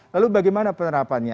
lalu bagaimana penerapannya